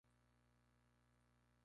Sus padres eran ricos.